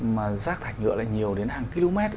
mà rác thả nhựa lại nhiều đến hàng km